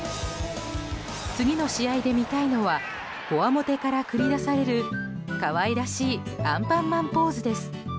次の試合で見たいのはこわもてから繰り出される可愛らしいアンパンマンポーズです。